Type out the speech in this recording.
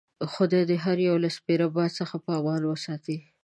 خدای دې هر یو له سپیره باد څخه په امان وساتي.